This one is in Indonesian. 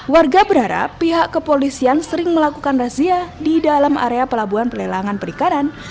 warga berharap pihak kepolisian sering melakukan razia di dalam area pelabuhan pelelangan perikanan